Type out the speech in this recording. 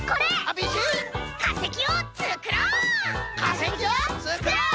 せきをつくろう！